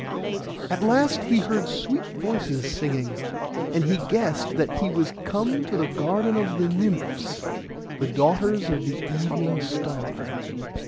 At last he heard sweet voices singing; and he guessed that he was come to the garden of the Nymphs, the daughters of the Evening Star.